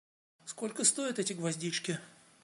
Сколько стоят эти гвоздички?